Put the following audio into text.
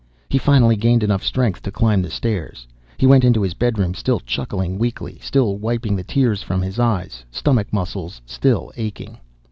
He finally gained enough strength to climb the stairs. He went into his bedroom, still chuckling weakly, still wiping the tears from his eyes, stomach muscles still aching.